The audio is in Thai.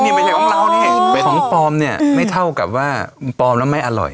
นี่ไม่ใช่ของเราเนี่ยเป็นของปลอมเนี่ยไม่เท่ากับว่าปลอมแล้วไม่อร่อย